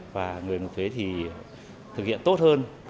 và người nộp thuế thì thực hiện tốt hơn